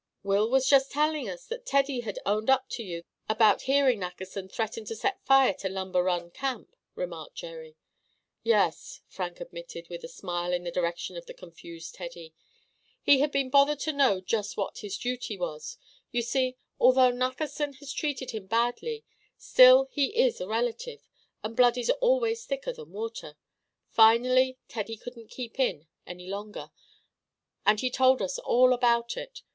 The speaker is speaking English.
"Will was just telling us that Teddy had owned up to you about hearing Nackerson threaten to set fire to Lumber Run Camp," remarked Jerry. "Yes," Frank admitted, with a smile in the direction of the confused Teddy. "He had been bothered to know just what his duty was. You see, although Nackerson has treated him badly, still he is a relative, and blood is always thicker than water. Finally Teddy couldn't keep in any longer, and he told us all about it.